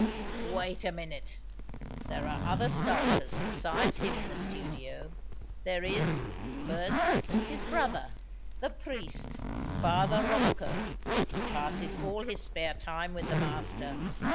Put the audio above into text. "Wait a minute. There are other sculptors besides him in the studio. There is, first, his brother, the priest Father Rocco, who passes all his spare time with the master.